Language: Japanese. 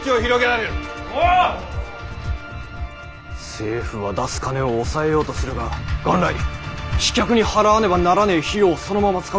政府は出す金を抑えようとするが元来飛脚に払わねばならねぇ費用をそのまま使うんだから文句はねぇはずだ。